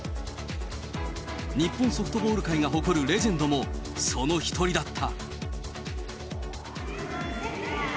日本ソフトボール界が誇るレジェンドも、その一人だった。